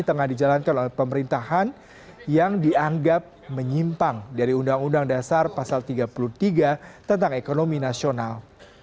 tengah dijalankan oleh pemerintahan yang dianggap menyimpang dari undang undang dasar pasal tiga puluh tiga tentang ekonomi nasional